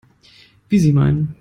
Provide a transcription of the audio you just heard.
Wie Sie meinen.